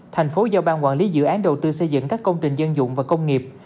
thành phố giao ban quản lý dự án đầu tư xây dựng các công trình dân dụng và công nghiệp